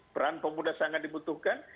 peran pemuda sangat dibutuhkan